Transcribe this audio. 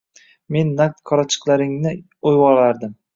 Men naq qorachiqlaringni o‘yvolardim.